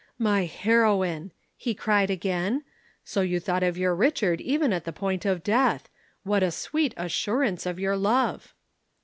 "'My heroine!' he cried again. 'So you thought of your Richard even at the point of death. What a sweet assurance of your love!'